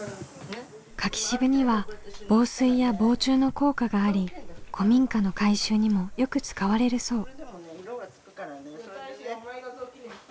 柿渋には防水や防虫の効果があり古民家の改修にもよく使われるそう。